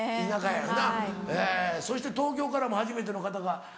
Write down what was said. そして東京からも初めての方が。